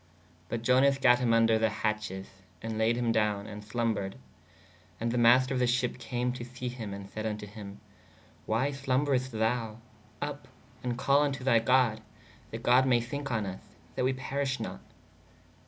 But Ionas gatt him vnder the hatches & layed him downe and slombrede. And [the] master of the sheppe came to him & sayd vn to hī/ why slomberest thou? vpp! & call vn to thy god/ that God maye thinke on vs/ that we perish not.